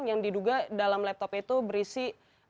yang diduga dalam laptop itu berisi